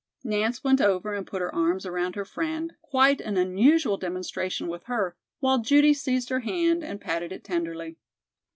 Nance went over and put her arms around her friend, quite an unusual demonstration with her, while Judy seized her hand and patted it tenderly.